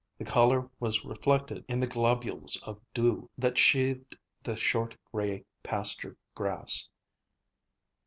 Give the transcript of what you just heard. The color was reflected in the globules of dew that sheathed the short gray pasture grass.